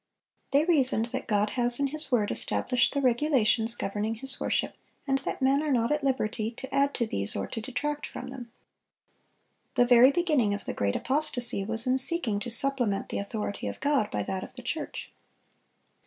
They reasoned that God has in His word established the regulations governing His worship, and that men are not at liberty to add to these or to detract from them. The very beginning of the great apostasy was in seeking to supplement the authority of God by that of the church.